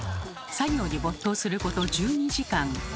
作業に没頭すること１２時間。